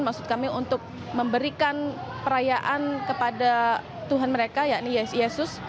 maksud kami untuk memberikan perayaan kepada tuhan mereka yakni yesi yesus